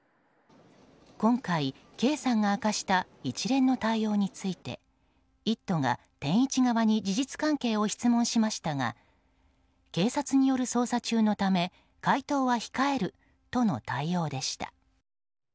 今回、Ｋさんが明かした一連の対応について「イット！」が天一側に事実関係を質問しましたが警察による捜査中のため回答は控えるとの対応でした。